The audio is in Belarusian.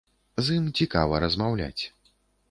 З ім цікава размаўляць.